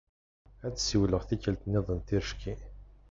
Ad siwleɣ tikkelt-nniḍen ticki.